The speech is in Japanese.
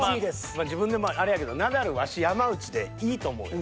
まあ自分であれやけどナダルワシ山内でいいと思うよ。